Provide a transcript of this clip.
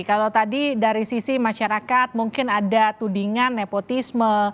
kalau tadi dari sisi masyarakat mungkin ada tudingan nepotisme